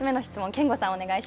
憲剛さん